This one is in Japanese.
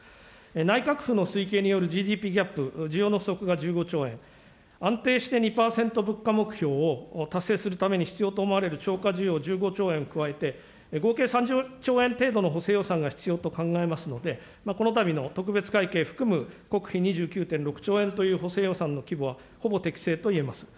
内閣府の推計によるＧＤＰギャップ、需要の不足が１５兆円、安定して２％目標を達成するために必要と思われる超過需要１５兆円を加えて、合計３０兆円程度の補正予算が必要と考えますので、このたびの特別会計含む国費２９．６兆円という補正予算の規模は、ほぼ適正といえます。